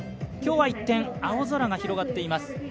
今日は一転青空が広がっています。